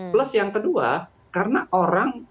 plus yang kedua karena orang